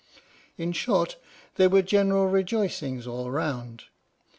In short, there were general rejoicings all round.